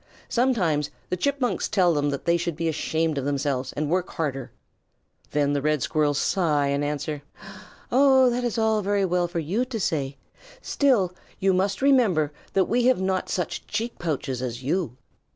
Sometimes the Chipmunks tell them that they should be ashamed of themselves and work harder. Then the Red Squirrels sigh and answer, "Oh, that is all very well for you to say, still you must remember that we have not such cheek pouches as you."